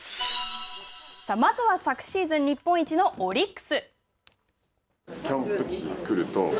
まずは昨シーズン日本一のオリックス。